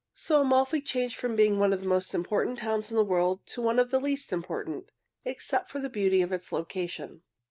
So Amalfi changed from being one of the most important towns in the world to one of the least important, except for the beauty of its location.